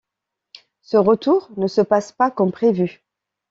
Ce retour ne se passe pas comme prévu.